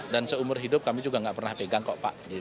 dan seumur hidup kami juga enggak pernah pegang kok pak